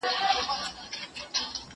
هغه وويل چي خواړه ورکول مهم دي!.